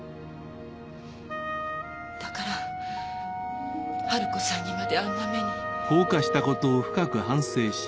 だから春子さんにまであんな目に。